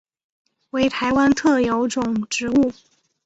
为台湾特有种植物。